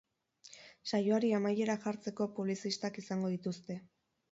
Saioari amaiera jartzeko publizistak izango dituzte.